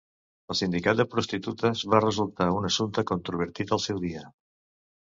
El sindicat de prostitutes va resultar un assumpte controvertit al seu dia